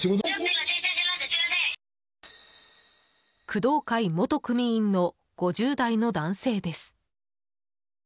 工藤会元組員の５０代の男性です。